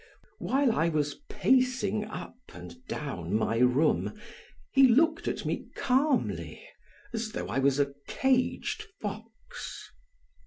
While I was pacing up and down my room he looked at me calmly as though I was a caged fox.